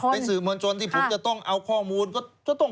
เป็นสื่องวังชน